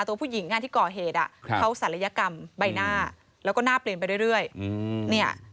ตัวผู้หญิงที่ก่อเหตุเขาศัลยกรรมใบหน้าแล้วก็หน้าเปลี่ยนไปเรื่อยเนี่ย